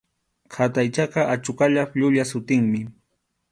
Qataychaqa achuqallap llulla sutinmi.